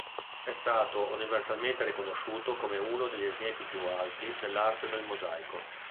È stato universalmente riconosciuto come uno degli esempi più alti dell'arte del mosaico.